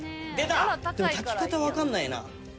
でも炊き方分かんないな。